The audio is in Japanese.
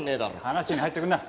話に入ってくんな。